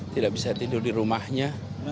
tidak bisa tidur di rumahnya